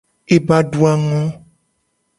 Ebe a adu a ngo.